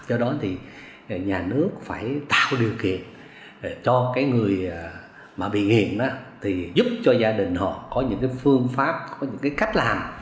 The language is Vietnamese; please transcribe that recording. do đó thì nhà nước phải tạo điều kiện cho cái người mà bị nghiện đó thì giúp cho gia đình họ có những cái phương pháp có những cái cách làm